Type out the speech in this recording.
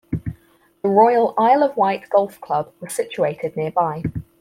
The Royal Isle of Wight Golf Club was situated nearby.